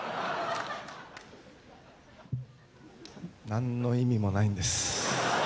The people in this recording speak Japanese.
何の意味もないんです。